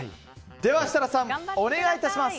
では設楽さん、お願いします。